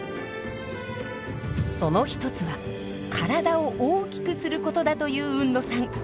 その１つは体を大きくすることだと言う海野さん。